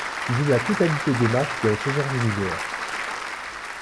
Il joue la totalité des matchs de la saison régulière.